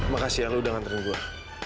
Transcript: makasih ya lu udah nganterin gue